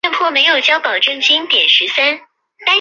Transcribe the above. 龙代勒河畔拉迪尼亚克人口变化图示